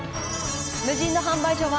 無人の販売所は